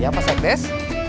iya pak sekdes